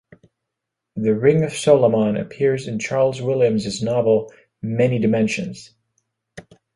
The ring of Solomon appears in Charles Williams's novel "Many Dimensions".